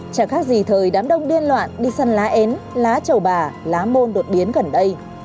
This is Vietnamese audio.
chẳng khác gì thời đám đông điên loạn đi săn lá ế lá chầu bà lá môn đột biến gần đây